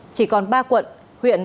chỉ còn ba quận huyện